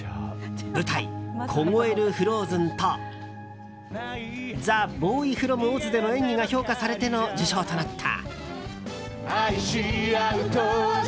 舞台「凍えるＦＲＯＺＥＮ」と「ＴＨＥＢＯＹＦＲＯＭＯＺ」での演技が評価されての受賞となった。